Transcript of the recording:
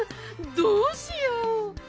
どうしよう！